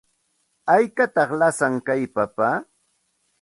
¿Haykataq lasan kay papa?